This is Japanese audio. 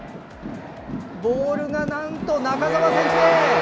ボールがなんと、中澤選手へ！